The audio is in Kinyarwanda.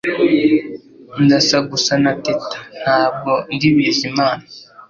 Ndasa gusa na Teta Ntabwo ndi Bizimana